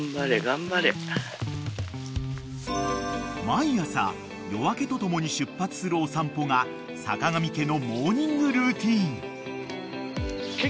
［毎朝夜明けとともに出発するお散歩が坂上家のモーニングルーティーン］